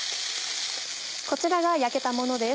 こちらが焼けたものです。